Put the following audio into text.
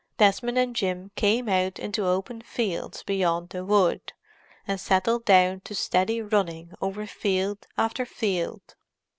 Desmond and Jim came out into open fields beyond the wood, and settled down to steady running over field after field.